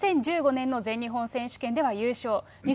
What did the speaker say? ２０１５年の全日本選手権では優勝。